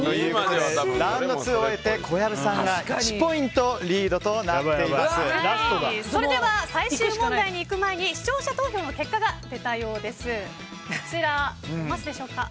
ラウンド２を終えて小籔さんが１ポイントそれでは最終問題にいく前に視聴者投票の結果が出たようです。